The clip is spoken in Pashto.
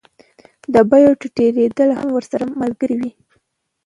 د بیو ټیټېدل هم ورسره ملګري وي